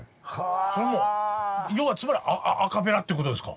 要はつまりアカペラってことですか？